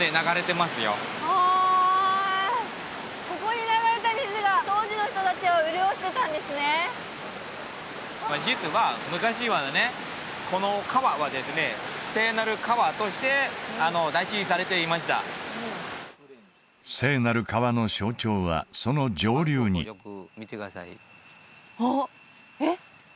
まあ実は昔はねこの川はですね聖なる川として大事にされていました聖なる川の象徴はその上流にあっえっ？